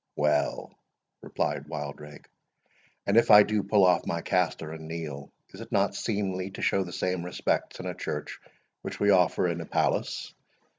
"Well," replied Wildrake, "and if I do pull off my castor and kneel, is it not seemly to show the same respects in a church which we offer in a palace?